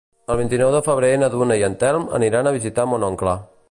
El vint-i-nou de febrer na Duna i en Telm aniran a visitar mon oncle.